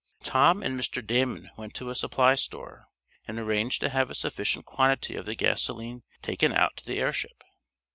Tom and Mr. Damon went to a supply store, and arranged to have a sufficient quantity of the gasoline taken out to the airship.